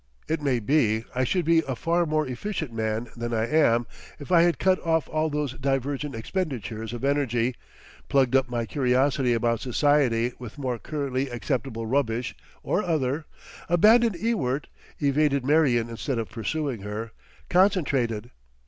It may be I should be a far more efficient man than I am if I had cut off all those divergent expenditures of energy, plugged up my curiosity about society with more currently acceptable rubbish or other, abandoned Ewart, evaded Marion instead of pursuing her, concentrated.